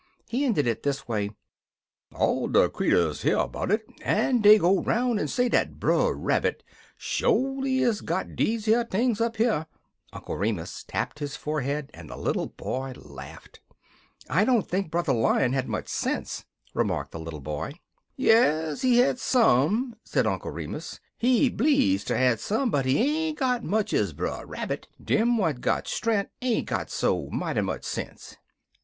He ended in this way: "All de creeturs hear 'bout it, en dey go 'roun' en say dat Brer Rabbit sholy is got deze 'ere things up here." Uncle Remus tapped his forehead, and the little boy laughed. [Footnote 7: From Uncle Remus and his Friends.] "I don't think Brother Lion had much sense," remarked the little boy. "Yes, he had some," said Uncle Remus. "He bleedz ter had some, but he ain't got much ez Brer Rabbit. Dem what got strenk ain't got so mighty much sense.